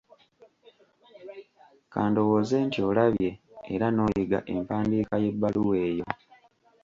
Ka ndowooze nti olabye era n'oyiga empandiika y'ebbaluwa eyo.